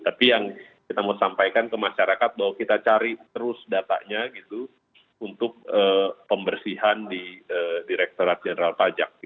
tapi yang kita mau sampaikan ke masyarakat bahwa kita cari terus datanya gitu untuk pembersihan di direkturat jenderal pajak